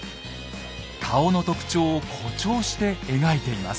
顔の特徴を誇張して描いています。